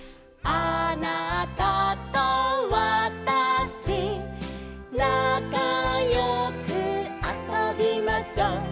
「あなたとわたし」「なかよくあそびましょう」